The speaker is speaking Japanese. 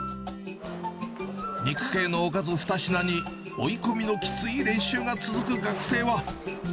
肉系のおかず２品に、追い込みのきつい練習が続く学生は。